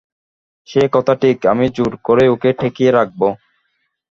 সে কথা ঠিক, আমি জোর করেই ওকে ঠেকিয়ে রাখব।